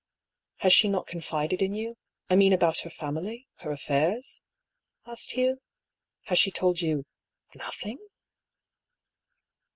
" Has she not confided in you — I mean about her family — her affairs ?" asked Hugh. " Has she told you — nothing